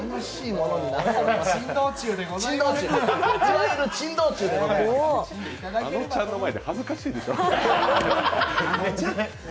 あのちゃんの前で恥ずかしいでしょ。